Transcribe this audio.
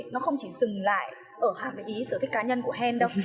nó không chỉ dừng lại ở hạm với ý sở thích cá nhân của hèn đâu